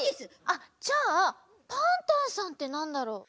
あっじゃあパンタンさんってなんだろう？